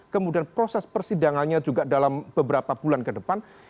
kemudian proses persidangannya juga dalam beberapa bulan ke depan